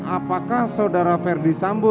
apakah saudara ferdi sambo